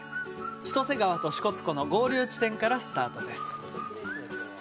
千歳川と支笏湖の合流地点からスタートです。